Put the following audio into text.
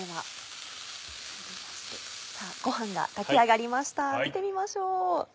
ごはんが炊き上がりました見てみましょう。